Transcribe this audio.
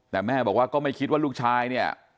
แต่แม่บอกว่าก็ไม่คิดว่าลูกชายเนี่ย